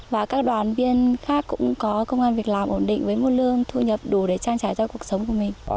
và các đoàn viên khác cũng có công an việc làm ổn định với một lương thu nhập đủ để trang trải cho cuộc sống của mình